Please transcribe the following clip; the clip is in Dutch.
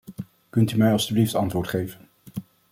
Kunt u mij alstublieft antwoord geven?